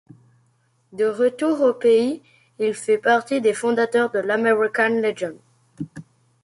De retour au pays il fait partie des fondateurs de l'American Legion.